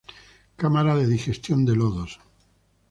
Cámara de digestión de lodos.